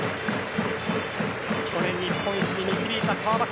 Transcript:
去年、日本一に導いた川端。